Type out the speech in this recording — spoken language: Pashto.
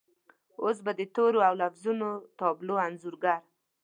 اوس به د تورو او لفظونو د تابلو انځورګر